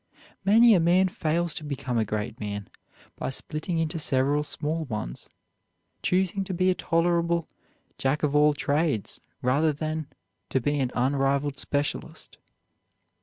Many a man fails to become a great man by splitting into several small ones, choosing to be a tolerable Jack of all trades rather than to be an unrivaled specialist.